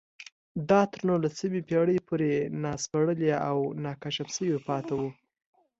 دا تر نولسمې پېړۍ پورې ناسپړلي او ناکشف شوي پاتې وو